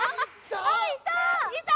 あっいた！